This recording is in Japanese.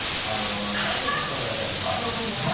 ギャグもそうだしあと前置きもね長い。